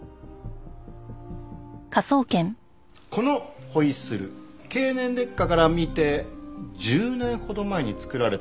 このホイッスル経年劣化から見て１０年ほど前に作られたもののようですね。